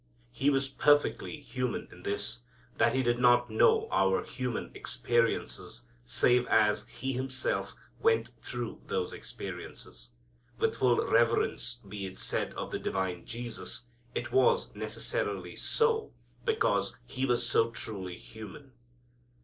He was perfectly human in this, that He did not know our human experiences, save as He Himself went through those experiences. With full reverence be it said of the divine Jesus, it was necessarily so, because He was so truly human.